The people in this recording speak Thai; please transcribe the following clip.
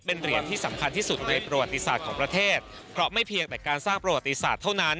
แฟนนีส์เวียดนามไม่มีความเชื่อเรื่องฟุตบอลแล้ว